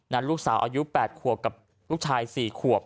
ลูกสาวอายุ๘ขวบกับลูกชาย๔ขวบ